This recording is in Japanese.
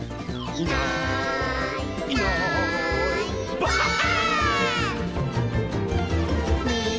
「いないいないばあっ！」